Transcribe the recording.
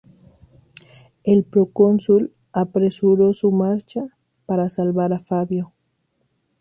El procónsul apresuró su marcha para salvar a Fabio.